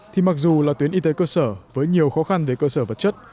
thì mặc dù là tuyến y tế cơ sở với nhiều khó khăn về cơ sở vật chất